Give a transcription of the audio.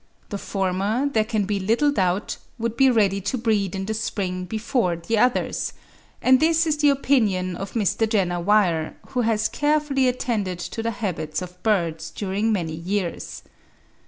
The former, there can be little doubt, would be ready to breed in the spring before the others; and this is the opinion of Mr. Jenner Weir, who has carefully attended to the habits of birds during many years.